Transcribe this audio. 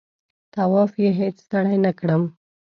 طواف یې هېڅ ستړی نه کړم.